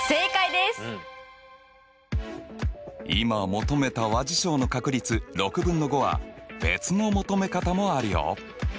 今求めた和事象の確率６分の５は別の求め方もあるよ。